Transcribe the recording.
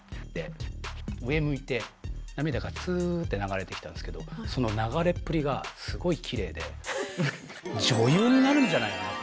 上向いて涙がつって流れてきたんですけどその流れっぷりがすごいきれいで女優になるんじゃないかなって。